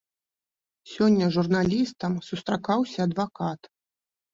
Сёння з журналістам сустракаўся адвакат.